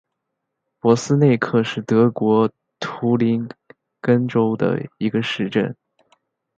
珀斯内克是德国图林根州的一个市镇。